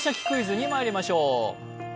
クイズ」にまいりましょう。